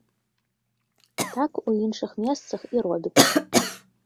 Так у іншых месцах і робіцца.